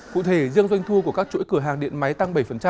cụ thể riêng doanh thu của các chuỗi cửa hàng điện máy tăng bảy